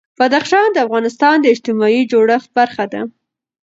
بدخشان د افغانستان د اجتماعي جوړښت برخه ده.